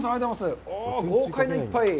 豪快な一杯！